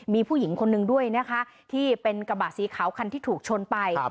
มีผู้หญิงคนนึงด้วยนะคะที่เป็นกระบะสีขาวคันที่ถูกชนไป